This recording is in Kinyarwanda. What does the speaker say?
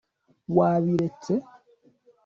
wabiretse